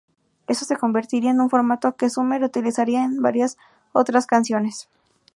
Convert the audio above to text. Esto se convertiría en un formato que Summer utilizaría en varias otras canciones.